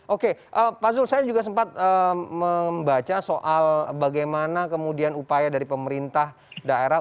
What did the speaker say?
oke pak zul saya juga sempat membaca soal bagaimana kemudian upaya dari pemerintah daerah